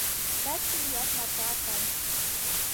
Таче лият Марпа акай